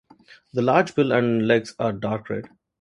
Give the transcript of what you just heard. The large bill and legs are dark red.